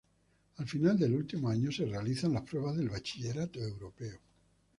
Al final del último año se realizan las pruebas del Bachillerato Europeo.